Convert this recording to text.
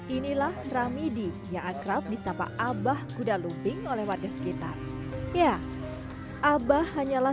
inilah ramidi yang akrab di sapa abah kuda lumping oleh warga sekitar ya abah hanyalah